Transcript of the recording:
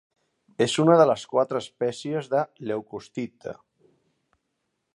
És una de les quatre espècies de Leucosticte.